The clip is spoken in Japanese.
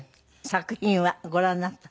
作品はご覧になった？